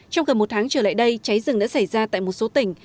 trong gần một tháng trở lại đây cháy rừng đã xảy ra tại một số tỉnh